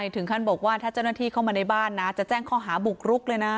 ถึงขั้นบอกว่าถ้าเจ้าหน้าที่เข้ามาในบ้านนะจะแจ้งข้อหาบุกรุกเลยนะ